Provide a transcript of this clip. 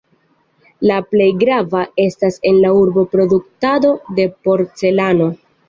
La plej grava estas en la urbo produktado de porcelano.